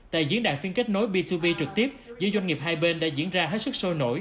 tại diễn đàn phiên kết nối b hai b trực tiếp giữa doanh nghiệp hai bên đã diễn ra hết sức sôi nổi